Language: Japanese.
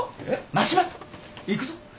真島行くぞ。